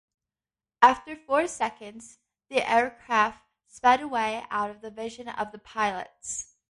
After four seconds, the aircraft sped away out of the vision of the pilots.